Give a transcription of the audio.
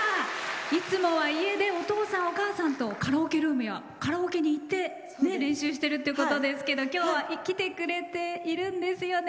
いつもは家でお父さん、お母さんとカラオケルームやカラオケに行って練習してるということですけど今日は来てくれているんですよね。